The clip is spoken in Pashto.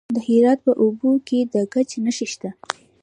د هرات په اوبې کې د ګچ نښې شته.